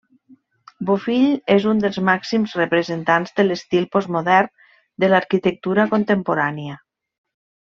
Bofill és un dels màxims representants de l'estil postmodern de l'arquitectura contemporània.